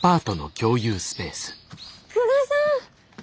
久我さん！